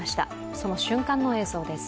その瞬間の映像です。